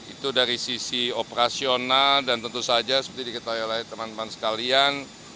itu dari sisi operasional dan tentu saja seperti diketahui oleh teman teman sekalian